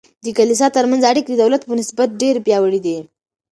د کلیسا ترمنځ اړیکې د دولت په نسبت ډیر پیاوړي دي.